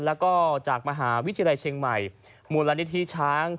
แล้วก็จากมหาวิทยาลัยเชียงใหม่มูลนิธิช้าง